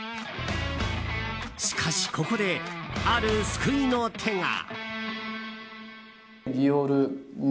しかし、ここである救いの手が。